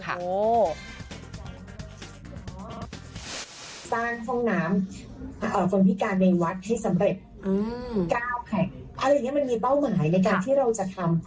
สร้างห้องน้ำอรรภิการในวัดให้สำเร็จ